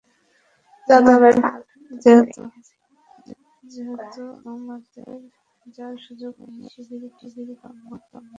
যেহেতু আমাদের যাওয়ার সুযোগ নেই, তাই শিবিরগুলোর বর্তমান অবস্থা সম্পর্কে জানি না।